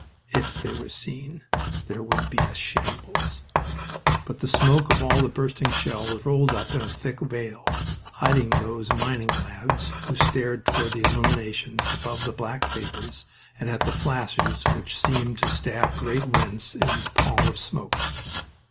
If they were seen! There would be a shambles. But the smoke of all the bursting shells rolled up in a thick veil, hiding those mining lads who stared toward the illuminations above the black vapors and at the flashes which seemed to stab great rents in the pall of smoke.